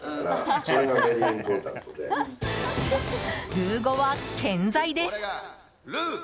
ルー語は、健在です。